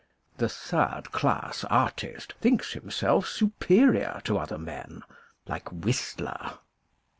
" The third class artist thinks himself superior to other men, like Whistler."